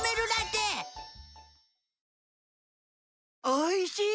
おいしい！